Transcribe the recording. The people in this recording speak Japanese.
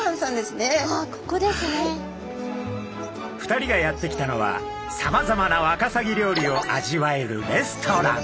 ２人がやって来たのはさまざまなワカサギ料理を味わえるレストラン。